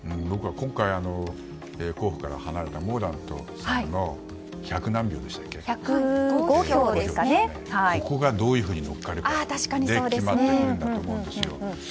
今回、候補から離れたモーダントさんの１０５票がここがどういうふうに乗っかるかで決まってくると思うんですよ。